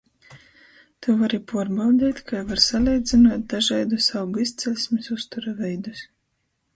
Tu vari puorbaudeit, kai var saleidzynuot dažaidus augu izceļsmis uztura veidus.